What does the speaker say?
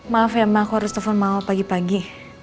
maaf ya mbak aku harus telfon mama pagi pagi